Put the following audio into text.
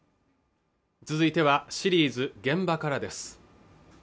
続いてはシリーズ「現場から」です